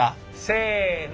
せの。